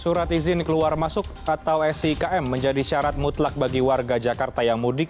surat izin keluar masuk atau sikm menjadi syarat mutlak bagi warga jakarta yang mudik